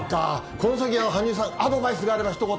この先の羽生さん、アドバイスがあれば、ひと言。